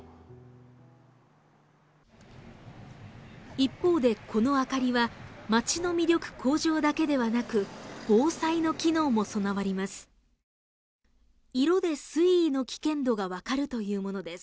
一方で、この明かりは町の魅力向上だけではなく防災の機能も備わります。